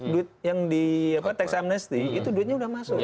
duit yang di tax amnesty itu duitnya sudah masuk